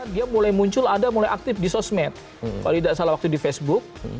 dia mulai muncul ada mulai aktif di sosmed kalau tidak salah waktu di facebook